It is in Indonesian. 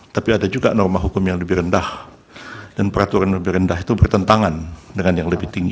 tapi ada juga norma hukum yang lebih rendah dan peraturan lebih rendah itu bertentangan dengan yang lebih tinggi